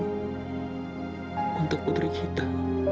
untuk putri kita